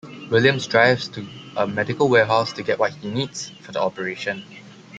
Williams drives to a medical warehouse to get what he needs for the operation.